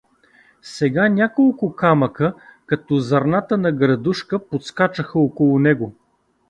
Сега няколко камъка като зърната на градушка подскачаха около него.